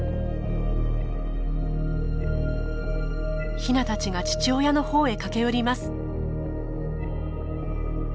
ヒナたちが父親のほうへ駆け寄ります。